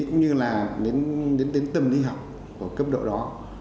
cũng như là đến tầm đi học của cấp độ đó